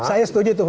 saya setuju tuh